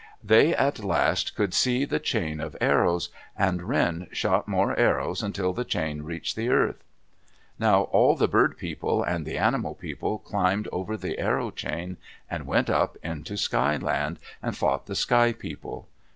They at last could see the chain of arrows, and Wren shot more arrows until the chain reached the earth. Now all the Bird People and the Animal People climbed over the arrow chain and went up into Sky Land and fought the Sky People.